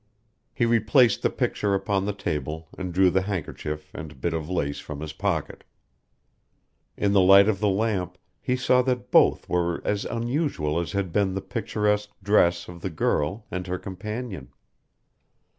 He replaced the picture upon the table and drew the handkerchief and bit of lace from his pocket. In the light of the lamp he saw that both were as unusual as had been the picturesque dress of the girl and her companion.